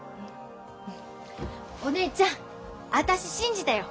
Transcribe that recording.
お姉ちゃん私信じたよ。